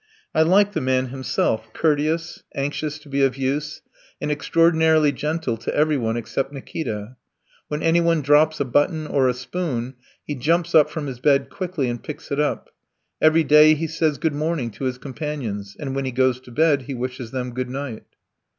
I like the man himself, courteous, anxious to be of use, and extraordinarily gentle to everyone except Nikita. When anyone drops a button or a spoon, he jumps up from his bed quickly and picks it up; every day he says good morning to his companions, and when he goes to bed he wishes them good night.